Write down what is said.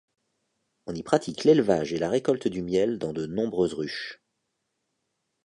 On y pratique l'élevage et la récolte du miel dans de nombreuses ruches.